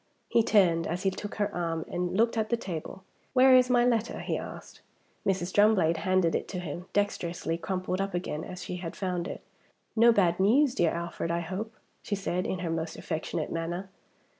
He turned, as he took her arm, and looked at the table. "Where is my letter?" he asked. Mrs. Drumblade handed it to him, dexterously crumpled up again as she had found it. "No bad news, dear Alfred, I hope?" she said, in her most affectionate manner.